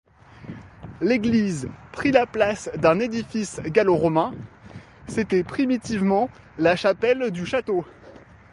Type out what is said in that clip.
L’église prit la place d’un édifice gallo-romain, c’était primitivement la chapelle du château.